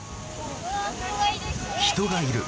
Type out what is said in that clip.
人がいる。